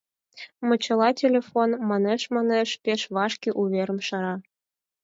Мочыла телефон — манеш-манеш пеш вашке уверым шара.